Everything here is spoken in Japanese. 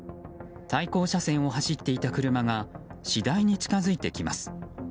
対向車線を走っていた車が次第に近づいてきます。